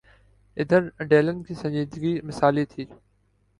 ادھر ڈیلن کی سنجیدگی مثالی تھی۔